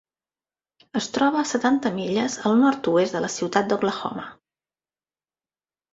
Es troba a setanta milles al nord-oest de la ciutat d'Oklahoma.